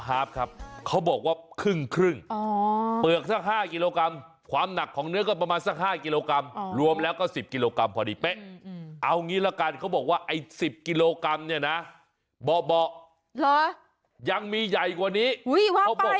อูหู๑๐โลกว่าด้วยไม่โกงไม่จกตา